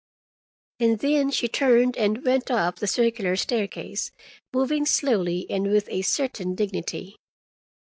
And then she turned and went up the circular staircase, moving slowly and with a certain dignity.